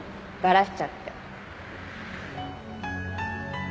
バラしちゃって。